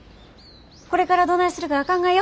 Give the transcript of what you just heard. これからどないするか考えよ。